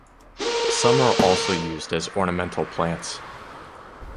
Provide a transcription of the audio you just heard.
Some are also used as ornamental plants.